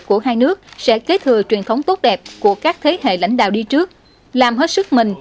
của hai nước sẽ kế thừa truyền thống tốt đẹp của các thế hệ lãnh đạo đi trước làm hết sức mình